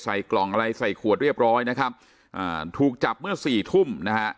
กล่องอะไรใส่ขวดเรียบร้อยนะครับอ่าถูกจับเมื่อสี่ทุ่มนะฮะ